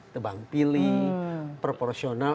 tebang pilih proporsional